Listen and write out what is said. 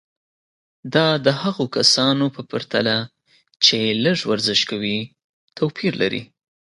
دا د هغو کسانو په پرتله چې لږ ورزش کوي توپیر لري.